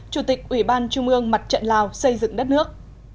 chủ tịch ủy ban trung ương mặt trận lào xây dựng đất nước